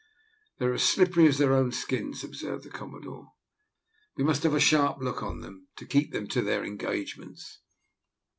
"They are slippery as their own skins," observed the Commodore; "we must have a sharp look on them, to keep them to their engagements."